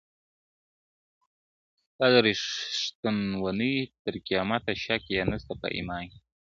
دا ریښتونی تر قیامته شک یې نسته په ایمان کي-